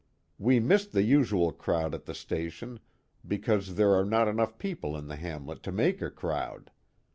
We missed the usual crowd at the station, because there are not enough people in the hamlet to make a crowd.